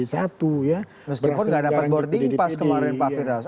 meskipun gak dapat boarding pass kemarin pak firas